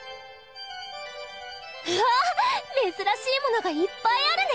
うわ珍しいものがいっぱいあるね！